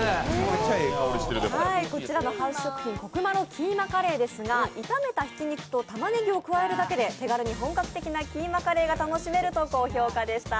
こちらのハウス食品、こくまろキーマカレーですが、炒めた挽肉とたまねぎを加えるだけで手軽に本格的なキーマカレーが楽しめると高評価でした。